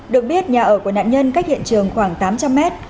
được biết nhà ở của nạn nhân cách hiện trường khoảng tám trăm linh mét